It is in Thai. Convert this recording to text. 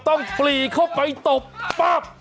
สวัสดีครับสวัสดีครับ